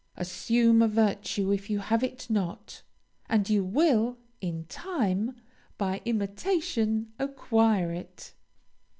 "Assume a virtue if you have it not," and you will, in time, by imitation, acquire it.